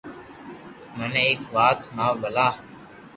مني ايڪ وات ھڻاو ڀلا